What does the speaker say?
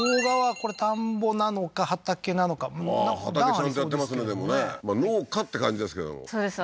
これ田んぼなのか畑なのか段ありそうですけどもね農家って感じですけどもそうですね